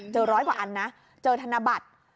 ร้อยกว่าอันนะเจอธนบัตร